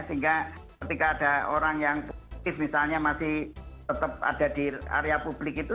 sehingga ketika ada orang yang positif misalnya masih tetap ada di area publik itu